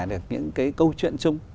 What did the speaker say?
được những cái câu chuyện chung